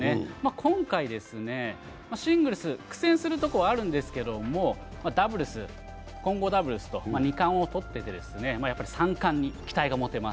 今回、シングルス、苦戦するところはあるんですけどダブルス、混合ダブルスと２冠をとって３冠に期待が持てます。